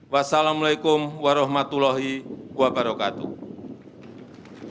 wassalamu'alaikum warahmatullahi wabarakatuh